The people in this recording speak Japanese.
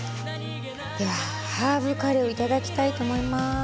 ではハーブカレーをいただきたいと思います。